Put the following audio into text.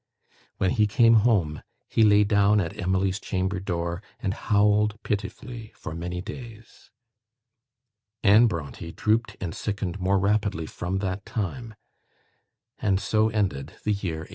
When he came home, he lay down at Emily's chamber door, and howled pitifully for many days. Anne Brontë drooped and sickened more rapidly from that time; and so ended the year 1848.